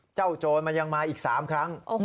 เจ้าโจรมันยังมาอีกสามครั้ง